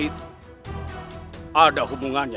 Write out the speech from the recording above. siapa kau sebenarnya